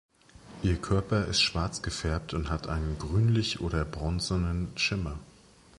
Ihr Körper ist schwarz gefärbt und hat einen grünlichen oder bronzenen Schimmer.